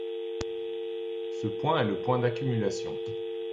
Ce point est le point d'accumulation.